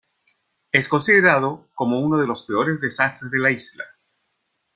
Es considerado como uno de los peores desastres de la isla.